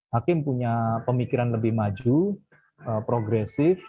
hakim punya pemikiran lebih maju progresif